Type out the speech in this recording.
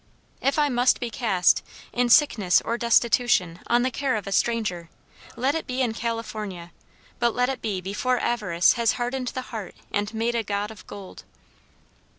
If I must be cast, in sickness or destitution, on the care of a stranger, let it be in California; but let it be before avarice has hardened the heart and made a god of gold."